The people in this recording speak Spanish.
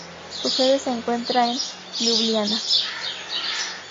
Su sede se encuentra en Liubliana.